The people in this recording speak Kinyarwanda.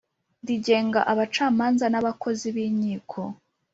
rigenga abacamanza n abakozi b inkiko